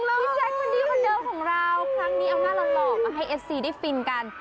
พี่แจ๊คคนนี้วันเดิมของเราครั้งนี้เอาหน้าหล่อมาให้เอฟซีได้ฟินกัน